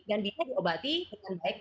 dan dia diobati dengan baik